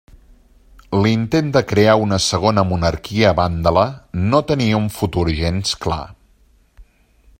L'intent de crear una segona monarquia vàndala no tenia un futur gens clar.